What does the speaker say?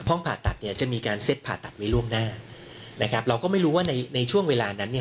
ผ่าตัดเนี่ยจะมีการเซ็ตผ่าตัดไว้ล่วงหน้านะครับเราก็ไม่รู้ว่าในในช่วงเวลานั้นเนี่ย